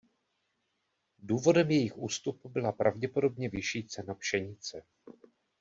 Důvodem jejich ústupu byla pravděpodobně vyšší cena pšenice.